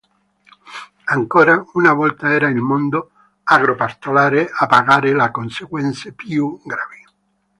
Ancora una volta era il mondo agro-pastorale a pagare le conseguenze più gravi.